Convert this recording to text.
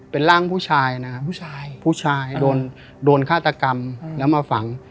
เป็นร่างผู้ชายนะครับผู้ชายผู้ชายโดนโดนฆาตกรรมแล้วมาฝัง